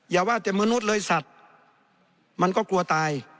อย่าว่าแต่มนุษย์เลยสัตว์มันก็กลัวตาย